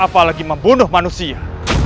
apalagi membunuh manusia